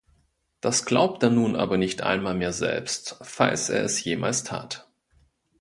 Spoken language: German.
Das glaubt er nun aber nicht einmal mehr selbst, falls er es jemals tat.